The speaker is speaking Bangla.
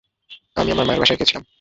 আমি আমার মায়ের বাসায় গিয়েছিলাম।